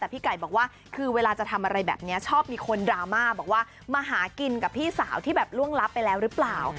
แต่พี่ไก่บอกว่าคือเวลาจะทำอะไรแบบนี้ชอบมีคนดราม่าบอกว่ามาหากินกับพี่สาวที่แบบล่วงลับไปแล้วหรือเปล่า